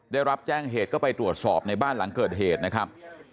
ได้รับแจ้งเหตุก็ไปตรวจสอบในบ้านหลังเกิดเหตุนะครับ